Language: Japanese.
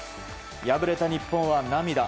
敗れた日本は涙。